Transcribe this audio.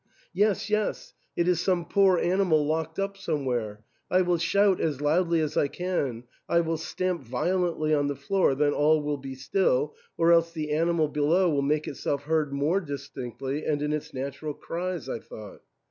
'^ Yes, yes ; it is some poor animal locked up somewhere ; I will shout as loudly as I can, I will stamp violently on the 0oor, then all will be still, or else the animal below will make itself heard more distinctly, and in its natural cries," I thought.